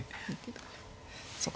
そうか。